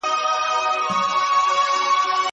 هم په غلاوو کي شریک یې څارنوال وو